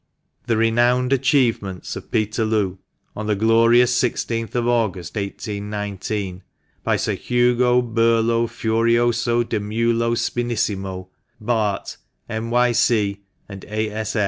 THE RENOWNED ATCHIEVEMENTS OF PETERLOO, ON THE GLORIOUS i6TH OF AUGUST, 1819. BY SIR HUGO BURLO FURIOSO DI MULO SPINNISSIMO, Bart., M.Y.C. AND A.